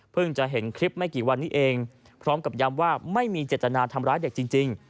จะเห็นคลิปไม่กี่วันนี้เองพร้อมกับย้ำว่าไม่มีเจตนาทำร้ายเด็กจริง